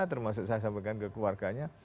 termasuk saya sampaikan ke keluarganya